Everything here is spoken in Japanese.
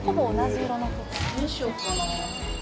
どうしようかな。